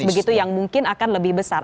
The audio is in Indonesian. begitu yang mungkin akan lebih besar